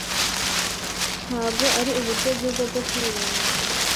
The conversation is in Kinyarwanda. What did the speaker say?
nta bwo ari uburyo bwiza bwo kwirinda